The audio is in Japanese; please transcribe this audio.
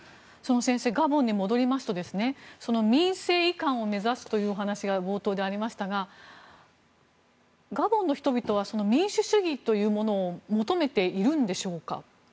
ガボンに戻りますと民政移管を目指すというお話が冒頭でありましたがガボンの人々は民主主義というものを求めているんでしょうか？